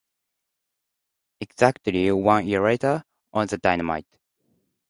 Exactly one year later, on the Dynamite!